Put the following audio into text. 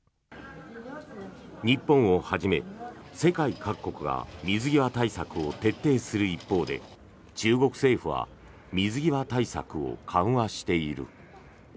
日本をはじめ、世界各国が水際対策を徹底する一方で中国政府は水際対策を緩和している。